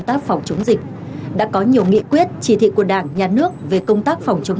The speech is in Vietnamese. tác phòng chống dịch đã có nhiều nghị quyết chỉ thị của đảng nhà nước về công tác phòng chống